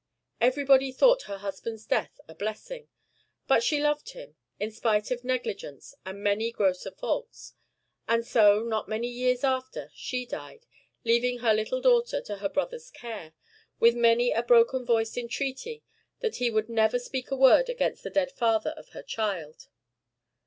Everybody thought her husband's death a blessing; but she loved him, in spite of negligence and many grosser faults; and so, not many years after, she died, leaving her little daughter to her brother's care, with many a broken voiced entreaty that he would never speak a word against the dead father of her child.